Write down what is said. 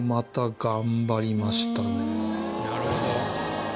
なるほど。